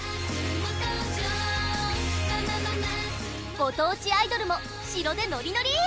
ご当地アイドルも城でノリノリーッ！